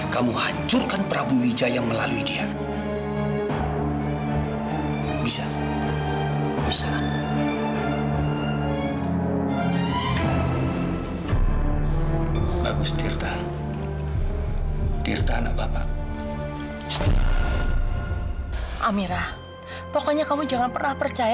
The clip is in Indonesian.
sampai jumpa di video selanjutnya